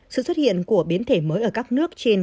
sự xuất hiện của biến thể mới ở các nước trên